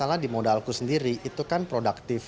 nah misalnya di modalku sendiri itu kan produktif